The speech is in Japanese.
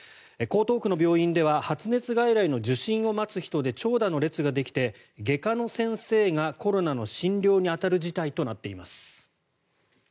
江東区の病院では発熱外来の受診を待つ人で長蛇の列ができて外科の先生がコロナの診療に当たる事態となっています。